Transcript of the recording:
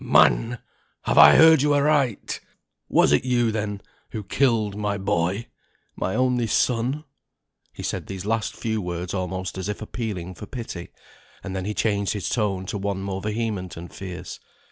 "Man! have I heard you aright? Was it you, then, that killed my boy? my only son?" (he said these last few words almost as if appealing for pity, and then he changed his tone to one more vehement and fierce).